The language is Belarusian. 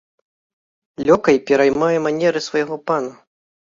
Лёкай пераймае манеры свайго пана.